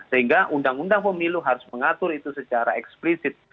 sehingga undang undang pemilu harus mengatur itu secara eksplisit